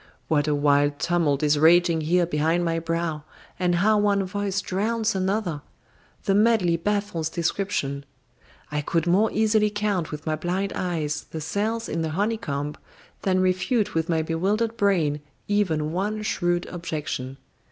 What a wild tumult is raging here behind my brow, and how one voice drowns another! The medley baffles description. I could more easily count with my blind eyes the cells in a honeycomb than refute with my bewildered brain even one shrewd objection.